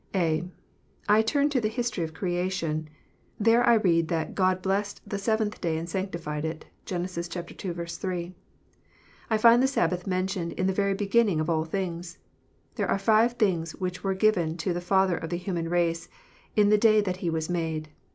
(a) I turn to the history of creation. I there read that " God blessed the seventh day and sanctified it." (Gen. ii. 3.) I find the Sabbath mentioned in the very beginning of all things. There are five things which were given to the father of the human race, in the day that he was made.